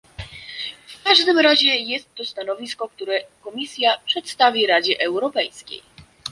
W każdym razie jest to stanowisko, które Komisja przedstawi Radzie Europejskiej